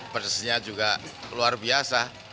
pedasnya juga luar biasa